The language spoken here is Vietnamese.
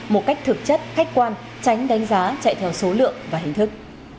một cách thực chất khách quan tránh đánh giá chạy theo số lượng và hình thức